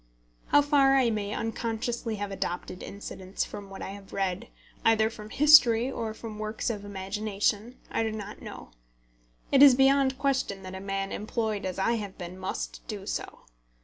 How far I may unconsciously have adopted incidents from what I have read, either from history or from works of imagination, I do not know. It is beyond question that a man employed as I have been must do so.